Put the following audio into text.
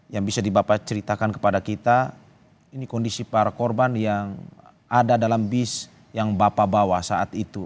yang bisa dibapa ceritakan kepada kita ini kondisi para korban yang ada dalam bis yang bapak bawa saat itu